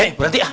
eh berhenti ah